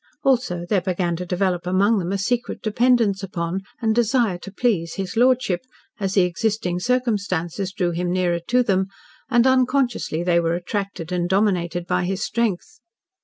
Also, there began to develop among them a secret dependence upon, and desire to please "his lordship," as the existing circumstances drew him nearer to them, and unconsciously they were attracted and dominated by his strength.